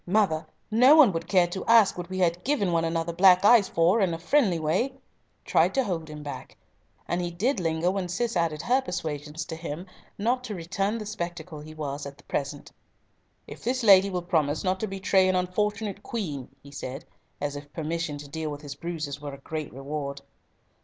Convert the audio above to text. —Mother, no one would care to ask what we had given one another black eyes for in a friendly way," tried to hold him back, and he did linger when Cis added her persuasions to him not to return the spectacle he was at present. "If this lady will promise not to betray an unfortunate Queen," he said, as if permission to deal with his bruises were a great reward.